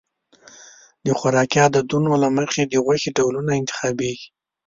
د خوراکي عادتونو له مخې د غوښې ډولونه انتخابېږي.